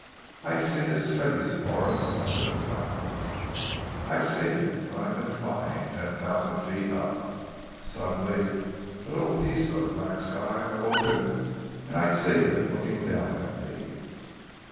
"I've seen his face, Nora, up in the clouds. I've seen it when I've been flying ten thousand feet up. Suddenly a little piece of black sky would open and I'd see him looking down at me!"